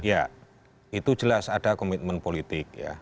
ya itu jelas ada komitmen politik ya